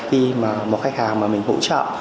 khi mà một khách hàng mà mình hỗ trợ